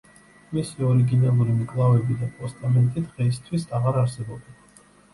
მისი ორიგინალური მკლავები და პოსტამენტი დღეისთვის აღარ არსებობენ.